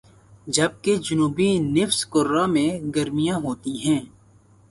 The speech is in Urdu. جبکہ جنوبی نصف کرہ میں گرمیاں ہوتی ہیں